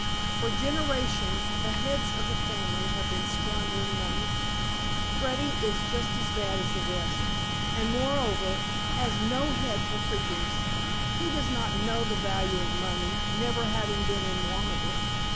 For generations the heads of the family have been squandering money. Freddy is just as bad as the rest, and, moreover, has no head for figures. He does not know the value of money, never having been in want of it.